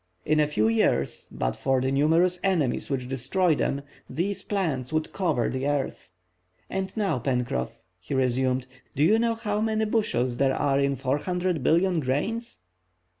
In a few years, but for the numerous enemies which destroy them, these plants would cover the earth. And now, Pencroff," he resumed, "do you know how many bushels there are in 400,000,000,000 grains?"